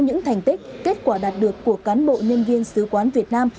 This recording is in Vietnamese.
những thành tích kết quả đạt được của cán bộ nhân viên sứ quán việt nam